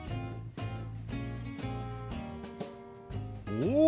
お！